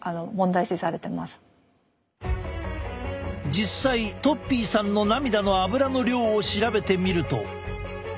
実際とっぴーさんの涙のアブラの量を調べてみると。